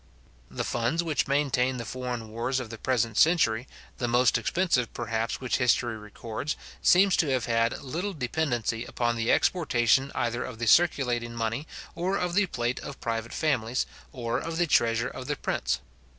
The funds which maintained the foreign wars of the present century, the most expensive perhaps which history records, seem to have had little dependency upon the exportation either of the circulating money, or of the plate of private families, or of the treasure of the prince.